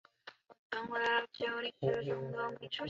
拉帕姆是位于美国亚利桑那州亚瓦派县的一个非建制地区。